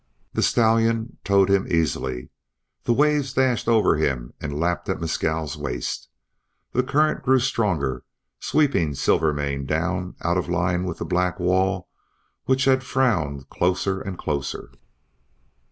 The stallion towed him easily. The waves dashed over him and lapped at Mescal's waist. The current grew stronger, sweeping Silvermane down out of line with the black wall which had frowned closer and closer.